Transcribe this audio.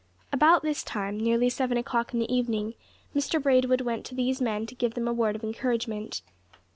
About this time, nearly seven o'clock in the evening, Mr Braidwood went to these men to give them a word of encouragement.